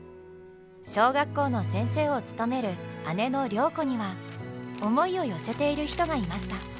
小学校の先生を務める姉の良子には思いを寄せている人がいました。